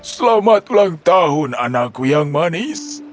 selamat ulang tahun anakku yang manis